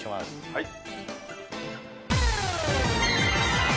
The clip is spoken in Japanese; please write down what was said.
はい。